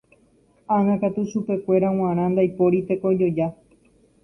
Ág̃a katu chupekuéra g̃uarã ndaipóri tekojoja.